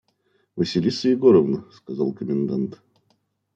«Василиса Егоровна! – сказал комендант.